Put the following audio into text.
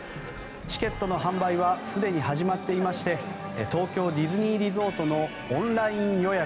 チケットの販売はすでに始まっていまして東京ディズニーリゾートのオンライン予約